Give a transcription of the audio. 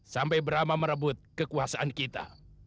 sampai brama merebut kekuasaan kita